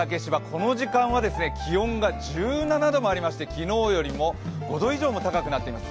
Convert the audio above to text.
この時間は気温が１７度もありまして、昨日よりも５度以上も高くなっています。